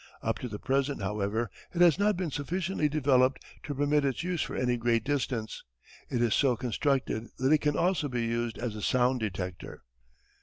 Up to the present, however, it has not been sufficiently developed to permit its use for any great distance. It is so constructed that it can also be used as a sound detector.